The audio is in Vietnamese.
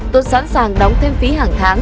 tốt sẵn sàng đóng thêm phí hàng tháng